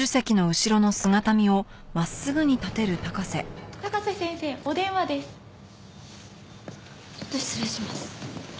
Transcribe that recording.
ちょっと失礼します。